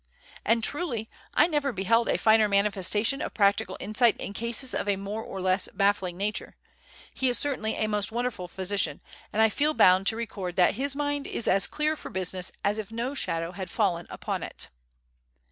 And truly I never beheld a finer manifestation of practical insight in cases of a more or less baffling nature. He is certainly a most wonderful physician, and I feel bound to record that his mind is as clear for business as if no shadow had fallen upon it.